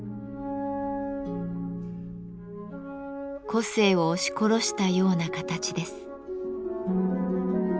個性を押し殺したような形です。